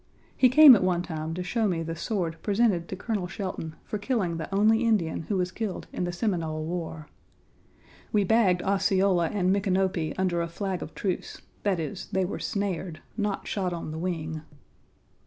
He came at one time to show me the sword presented to Colonel Shelton for killing the only Indian who was killed in the Seminole war. We bagged Osceola and Micanopy under a flag of truce that is, they were snared, not shot on the wing.